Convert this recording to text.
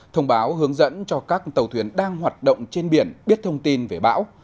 thông báo hướng dẫn cho các tàu thuyền đang hoạt động trên biển biết thông tin về bão